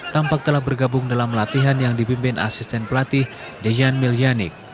tampak telah bergabung dalam latihan yang dipimpin asisten pelatih dejan milyani